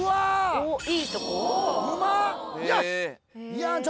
おっいいとこ？よし！